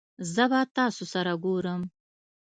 زه به تاسو سره ګورم